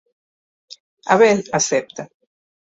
Abel acepta.